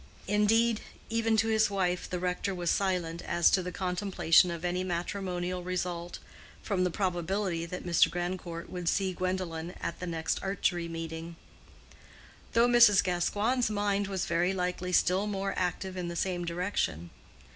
Indeed, even to his wife the rector was silent as to the contemplation of any matrimonial result, from the probability that Mr. Grandcourt would see Gwendolen at the next Archery Meeting; though Mrs. Gascoigne's mind was very likely still more active in the same direction.